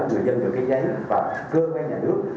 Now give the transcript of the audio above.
người dân được cái giấy vào cơ quan nhà nước